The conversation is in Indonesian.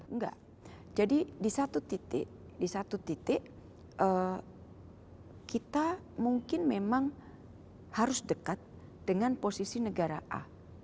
enggak jadi di satu titik kita mungkin memang harus dekat dengan posisi negara a